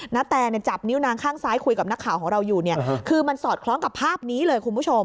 แตจับนิ้วนางข้างซ้ายคุยกับนักข่าวของเราอยู่เนี่ยคือมันสอดคล้องกับภาพนี้เลยคุณผู้ชม